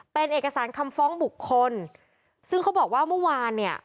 เป็นเอกสารคำฟ้องบุคคลซึ่งเขาบอกว่าเมื่อวานเนี่ย